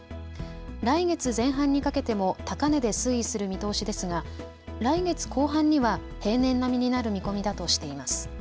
来月前半にかけても高値で推移する見通しですが来月後半には平年並みになる見込みだとしています。